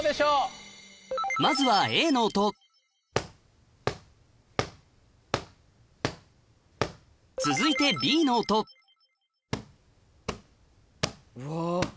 まずはＡの音続いてＢの音うわ。